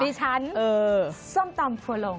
ดิฉันส้มตำถั่วลง